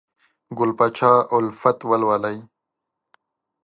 ګل پاچا الفت ولولئ!